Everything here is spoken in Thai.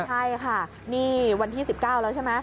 ใช่ค่ะนี่วันที่๑๙แล้วใช่ไหม